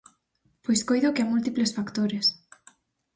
Pois coido que a múltiples factores.